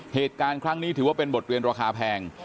เหตุการณ์ครั้งนี้ถือว่าเป็นบทเรียนราคาแพง